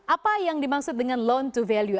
apa yang dimaksud dengan loan to value